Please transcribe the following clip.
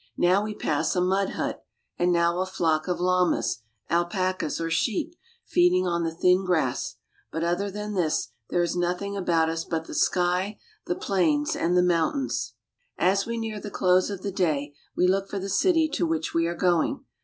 Now we pass a mud hut, and now a flock of llamas, alpacas, or sheep, feeding on the thin grass ; but other than this there is nothing about us but the sky, the plains, and the moun tains. As we near the close of the day we look for the city to which we are going.